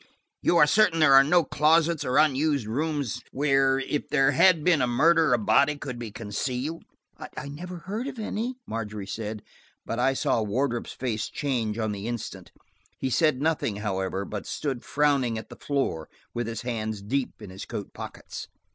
You are certain there are no closets or unused rooms where, if there had been a murder, the body could be concealed." "I never heard of any," Margery said, but I saw Wardrop's face change on the instant. He said nothing, however, but stood frowning at the floor, with his hands deep in his coat pockets.